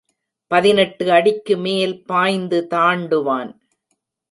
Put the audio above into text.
பதினெட்டு அடிக்கு மேல் பாய்ந்து தாண்டுவான்.